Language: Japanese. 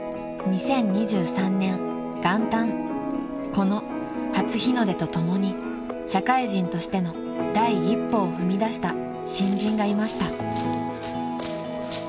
［この初日の出とともに社会人としての第一歩を踏み出した新人がいました］